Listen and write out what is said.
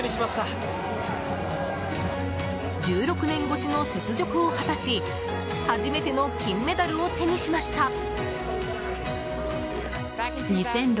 １６年越しの雪辱を果たし初めての金メダルを手にしました。